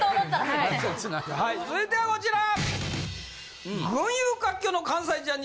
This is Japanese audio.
はい続いてはこちら！